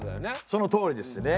そのとおりですね。